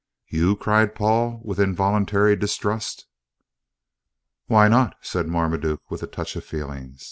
"You!" cried Paul, with involuntary distrust. "Why not?" said Marmaduke, with a touch of feeling.